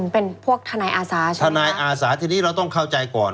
เป็นพวกทนายอาสาใช่ไหมทนายอาสาทีนี้เราต้องเข้าใจก่อน